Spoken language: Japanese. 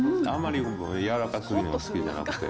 僕柔らかすぎるの好きじゃなくて。